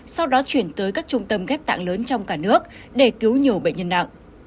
sau đó chuyển tới các trung tâm ghép tạng lớn trong cả nước để cứu nhiều bệnh nhân nặng